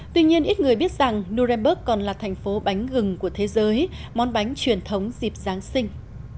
tuy nhiên ít người biết rằng nurenburg còn là thành phố bánh gừng của thế giới món bánh truyền thống dịp giáng sinh